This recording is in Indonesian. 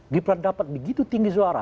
gibran dapat begitu tinggi suara